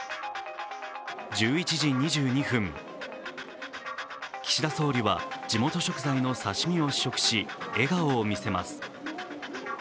１１時２２分、岸田総理は地元食材の刺身を試食し笑顔を見せます。